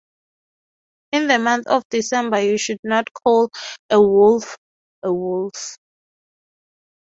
In the month of December you should not call a wolf a wolf.